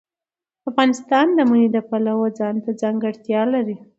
افغانستان د منی د پلوه ځانته ځانګړتیا لري.